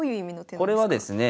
これはですねえ